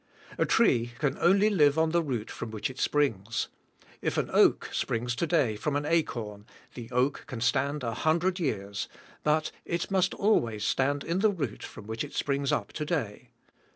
A tree can only live on the root from which it springs. 192 THE SPIRITUAL LIFE. If an oak spring s, to daj, from an acorn, the oak can stand a hundred years, but it must always stand in the root from which it spring's up to day.